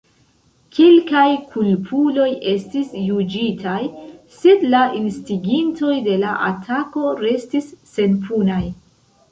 Kelkaj kulpuloj estis juĝitaj, sed la instigintoj de la atako restis senpunaj.